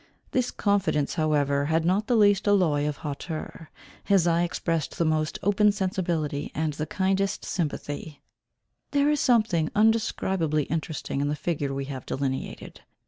This confidence however had not the least alloy of hauteur, his eye expressed the most open sensibility and the kindest sympathy. There is something undescribably interesting in the figure we have delineated.